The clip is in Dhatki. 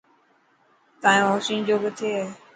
تايون اوسينجو ڪٿي هي.